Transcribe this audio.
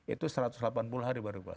itu satu ratus delapan puluh hari baru pak